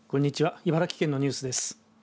茨城県のニュースです。